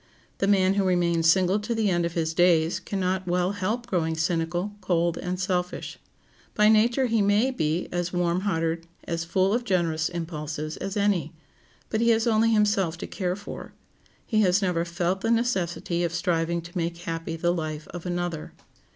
The man who remains single to the end of his days can not well help growing cynical, cold, and selfish. By nature he may be as warm hearted, as full of generous impulses, as any, but he has only himself to care for. He has never felt the necessity of striving to make happy the life of another.